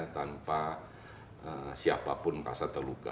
tanpa siapapun merasa terluka